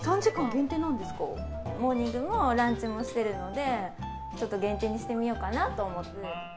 モーニングもランチもしてるので限定にしてみようかと思って。